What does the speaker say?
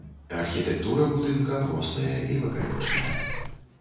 Архітэктура будынка простая і лаканічная.